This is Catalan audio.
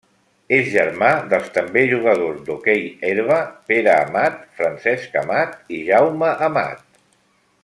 És germà dels també jugadors d'hoquei herba Pere Amat, Francesc Amat i Jaume Amat.